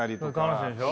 楽しいでしょ？